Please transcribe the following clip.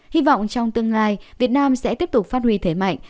hy vọng trong tương lai việt nam sẽ tiếp tục phát huy thế mạnh